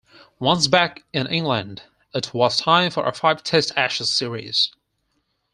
Once back in England, it was time for a five-Test Ashes series.